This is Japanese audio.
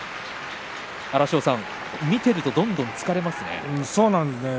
荒汐さん、見ているとどんどん突かれてしまいますね。